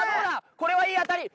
これはいい当たり！